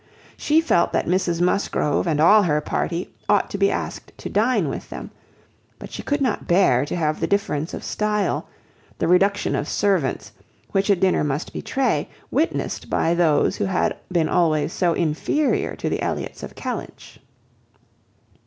She felt that Mrs Musgrove and all her party ought to be asked to dine with them; but she could not bear to have the difference of style, the reduction of servants, which a dinner must betray, witnessed by those who had been always so inferior to the Elliots of Kellynch.